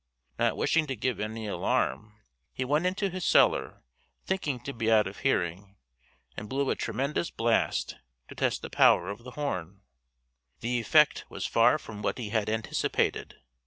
Not wishing to give any alarm, he went into his cellar, thinking to be out of hearing, and blew a tremendous blast to test the power of the horn. The effect was far from what he had anticipated.